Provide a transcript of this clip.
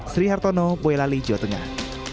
sri hartono boyolali jawa tengah